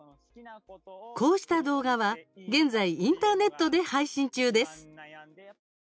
こうした動画は現在インターネットで配信中です。